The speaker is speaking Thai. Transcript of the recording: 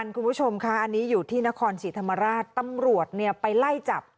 คุณผู้ชมค่ะอันนี้อยู่ที่นครศรีธรรมราชตำรวจเนี่ยไปไล่จับ